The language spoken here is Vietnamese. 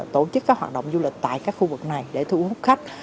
tổ chức các hoạt động du lịch tại các khu vực này để thu hút khách